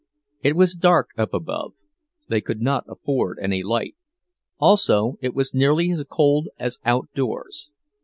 It was dark up above; they could not afford any light; also it was nearly as cold as outdoors.